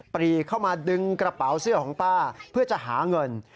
ปรีเข้ามาดึงกระเป๋าเสื้อของป้าเพื่อจะหาเงิน